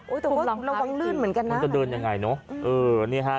แต่ก็ระวังลื่นเหมือนกันนะมันจะเดินยังไงเนอะเออนี่ฮะ